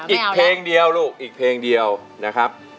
อีกเพลงเดียวลูกอีกเพลงเดียวนะครับ